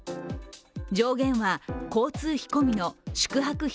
上限は交通費込みの宿泊費